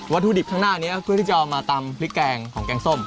ถุดิบข้างหน้านี้เพื่อที่จะเอามาตำพริกแกงของแกงส้ม